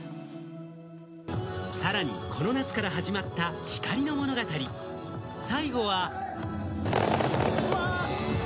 さらにこの夏から始まった光の物語、最後は。